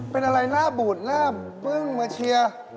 เป็นอะไรหน้าบุญหน้าเบื้องเหมือนเชียร์